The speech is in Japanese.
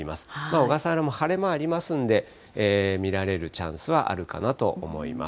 小笠原も晴れ間ありますんで、見られるチャンスはあるかなと思います。